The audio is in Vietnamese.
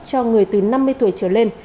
cho người từ năm mươi tuổi trở lên